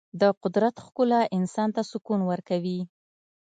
د قدرت ښکلا انسان ته سکون ورکوي.